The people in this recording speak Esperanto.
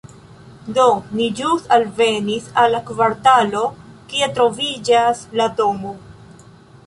Do ni ĵus alvenis al la kvartalo, kie troviĝas la domo